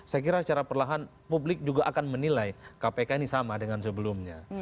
saya kira secara perlahan publik juga akan menilai kpk ini sama dengan sebelumnya